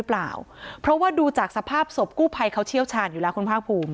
จะแบ่งทางหรือเปล่าเพราะว่าดูจากสภาพสภาพกู้ภัยเขาเชี่ยวชาญอยู่หลักคุณภากภูมิ